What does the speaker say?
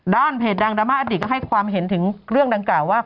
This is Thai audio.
เพจดังดราม่าอดีตก็ให้ความเห็นถึงเรื่องดังกล่าวว่า